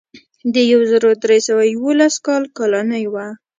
د یو زر درې سوه یوولس کال کالنۍ وه.